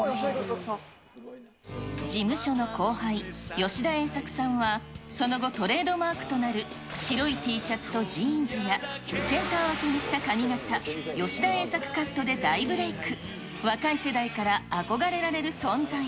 事務所の後輩、吉田栄作さんは、その後、トレードマークとなる白いＴシャツとジーンズや、センター分けにした髪形、吉田栄作カットで大ブレーク。